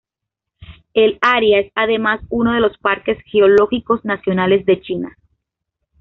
El área es además uno de los Parques Geológicos Nacionales de China.